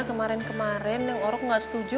kemarin kemarin neng orok gak setuju